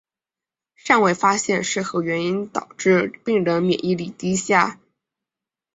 尚未发现是何原因导致病人免疫力低下。